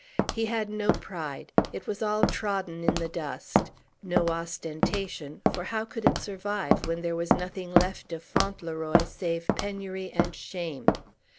He had no pride; it was all trodden in the dust. No ostentation; for how could it survive, when there was nothing left of Fauntleroy, save penury and shame!